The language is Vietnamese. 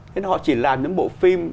thế nên họ chỉ làm những bộ phim